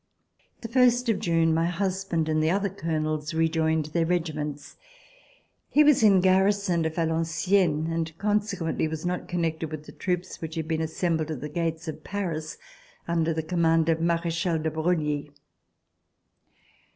The first of June my husband and the other Colonels rejoined their regiments. He was in garrison at Valenciennes, and consequently was not connected with the troops which had been assembled at the gates of Paris, under the command of Marechal de Broglie.